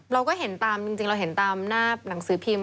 เราก็เห็นตามจริงเราเห็นตามหน้าหนังสือพิมพ์